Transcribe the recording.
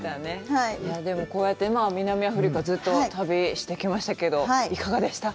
こうやって南アフリカ、ずっと旅してきましたけど、いかがでした？